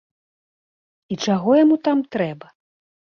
І чаго яму там трэба?